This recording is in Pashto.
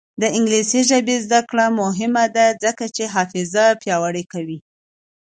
د انګلیسي ژبې زده کړه مهمه ده ځکه چې حافظه پیاوړې کوي.